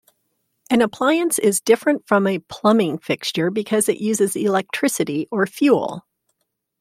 An appliance is different from a plumbing fixture because it uses electricity or fuel.